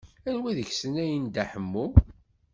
Anwa deg-sen ay n Dda Ḥemmu?